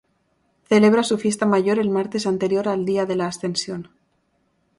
Celebra su fiesta mayor el martes anterior al día de la Ascensión.